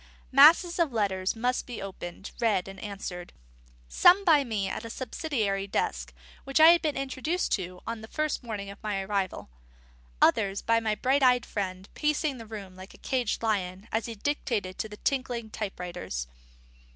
Masses of letters must be opened, read, and answered; some by me at a subsidiary desk which had been introduced on the morning of my arrival; others by my bright eyed friend, pacing the room like a caged lion as he dictated to the tinkling type writers.